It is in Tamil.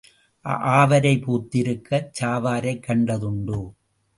ஆவாரை பூத்திருக்கச் சாவாரைக் கண்டதுண்டோ?